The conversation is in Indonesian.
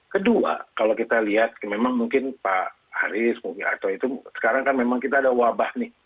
kedua kalau kita lihat memang mungkin pak haris mungkin ato itu sekarang kan memang kita ada wabah nih